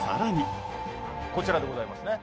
こちらでございますね